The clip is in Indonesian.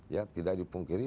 ya tidak dipungkiri